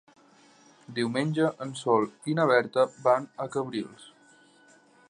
Diumenge en Sol i na Berta van a Cabrils.